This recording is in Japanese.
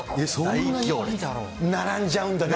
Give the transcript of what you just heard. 並んじゃうね。